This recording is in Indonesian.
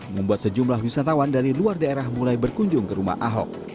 membuat sejumlah wisatawan dari luar daerah mulai berkunjung ke rumah ahok